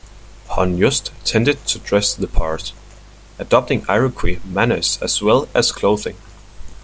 Hon-Yost tended to dress the part, adopting Iroquois manners as well as clothing.